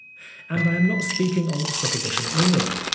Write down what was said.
And I am not speaking on supposition only.